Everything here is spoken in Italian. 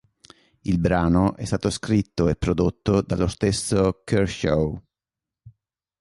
Il brano è stato scritto e prodotto dallo stesso Kershaw.